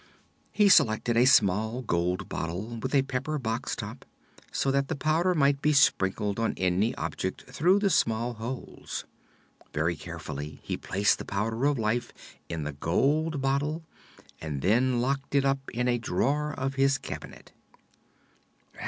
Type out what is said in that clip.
He selected a small gold bottle with a pepper box top, so that the powder might be sprinkled on any object through the small holes. Very carefully he placed the Powder of Life in the gold bottle and then locked it up in a drawer of his cabinet.